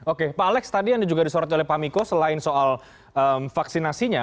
oke pak alex tadi anda juga disorot oleh pak miko selain soal vaksinasinya